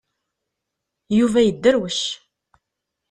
Yuba yedderwec.